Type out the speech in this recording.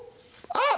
あっ！